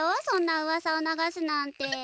そんなうわさを流すなんて。